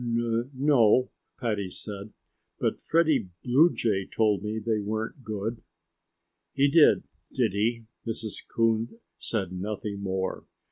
"N no," Patty said. "But Freddie Bluejay told me they weren't good." "He did, did he?" Mrs. Coon said nothing more.